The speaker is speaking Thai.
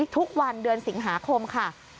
ทุกวันเดือนสิงหาคมค่ะ